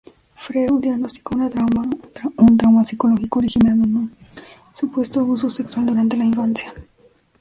Freud diagnosticó un trauma psicológico originado en un supuesto abuso sexual durante la infancia.